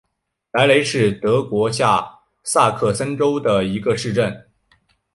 莱雷是德国下萨克森州的一个市镇。